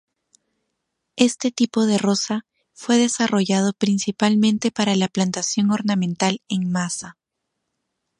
Este tipo de rosa fue desarrollado principalmente para la plantación ornamental en masa.